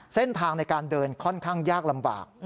เส้นทางในการเดินค่อนข้างยากลำบาก